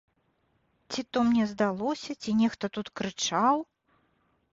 Ці то мне здалося, ці нехта тут крычаў?